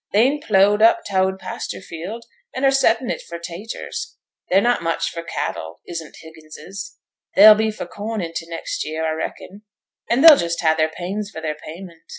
'They'n pleughed up t' oud pasture field, and are settin' it for 'taters. They're not for much cattle, isn't Higginses. They'll be for corn in t' next year, a reckon, and they'll just ha' their pains for their payment.